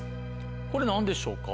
これ何でしょうか？